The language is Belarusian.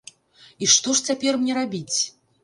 І што ж цяпер мне рабіць?